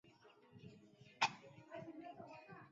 乘坐汽车而不是轿子